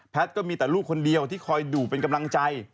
ก็มีแต่ลูกคนเดียวที่คอยดูเป็นกำลังใจ